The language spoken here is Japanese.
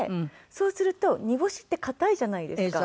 そうすると煮干しって硬いじゃないですか。